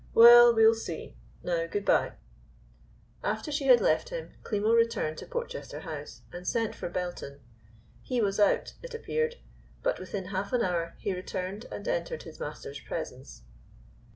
"Well, we'll see. Now, good bye." After she had left him, Klimo returned to Porchester House and sent for Belton. He was out, it appeared, but within half an hour he returned and entered his master's presence.